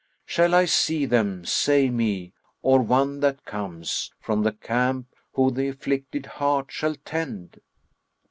Shall I see them, say me, or one that comes * From the camp, who th' afflicted heart shall tend?"